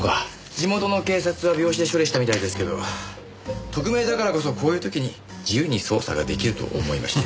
地元の警察は病死で処理したみたいですけど特命だからこそこういう時に自由に捜査が出来ると思いまして。